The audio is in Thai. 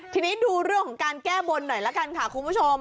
ทีนี้ดูเรื่องของการแก้บนหน่อยละกันค่ะคุณผู้ชม